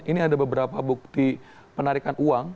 ini ada beberapa bukti penarikan uang